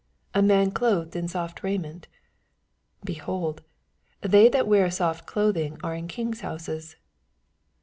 A man clothed in soft raiment ? be hold, they that wear soft dotking are in kings* houses.